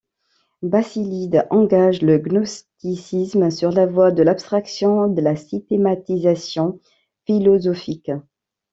Basilide engage le gnosticisme sur la voie de l'abstraction et de la systématisation philosophique.